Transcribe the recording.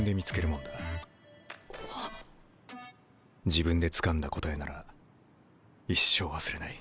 自分でつかんだ答えなら一生忘れない。